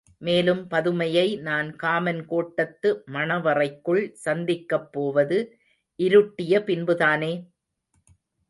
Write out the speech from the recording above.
மேலும் பதுமையை நான் காமன்கோட்டத்து மணவறைக்குள் சந்திக்கப் போவது இருட்டிய பின்புதானே?